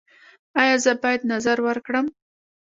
ایا زه باید نذر ورکړم؟